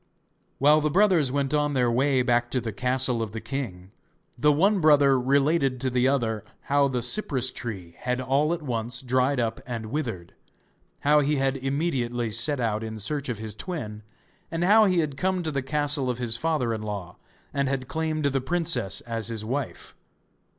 While the brothers went on their way back to the castle of the king, the one brother related to the other how the cypress tree had all at once dried up and withered, how he had immediately set out in search of his twin, and how he had come to the castle of his father in law, and had claimed the princess as his wife.